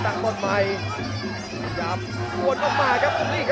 ตั้งหมดไมค์พยายามบวนออกมาครับ